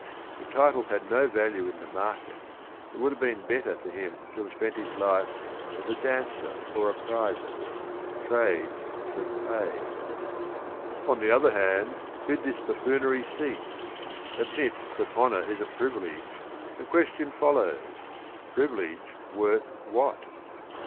If titles had no value in the market it would have been better for him to have spent his life as a "dancer or a prizer," trades that pay. 5' On the other hand, bid this buffoonery cease, Admit that honour is a privilege, The question follows, privilege worth what?